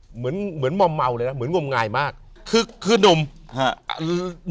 เหมือนเหมือนมอมเมาเลยนะเหมือนงมงายมากคือคือนุ่มฮะคือ